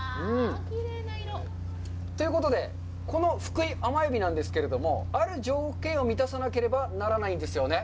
ということで、このふくい甘えびなんですけれども、ある条件を満たさなければならないですよね。